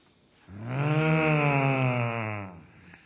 うん。